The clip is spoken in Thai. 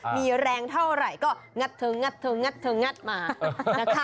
มีแรงเท่าไหร่ก็งัดเธองัดเธองัดเธองัดมานะคะ